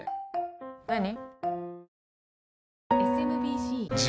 何？